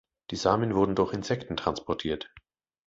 Die Samen werden durch Insekten transportiert.